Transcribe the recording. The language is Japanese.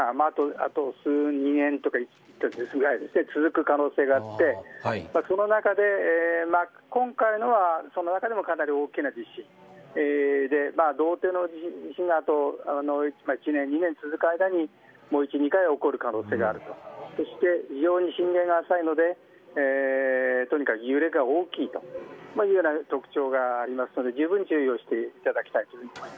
あと２年とか、ちょっとですが続く可能性があってその中で、今回のはその中でもかなり大きな地震で同程度の地震など１年、２年続く間にもう１、２回起こる可能性がそして非常に震源が浅いのでとにかく揺れが大きいというような特徴がありますのでじゅうぶん注意していただきたい。